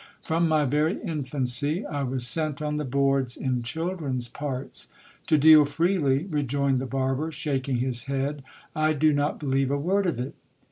From my very infancy, I was sent on the boards in children's parts. To deal freely, rejoined the barber, shaking his head, I do rot believe a word of it.